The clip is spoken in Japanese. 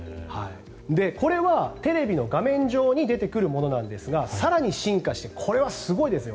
これはテレビの画面上に出てくるものなんですが更に進化してこれはすごいですよ。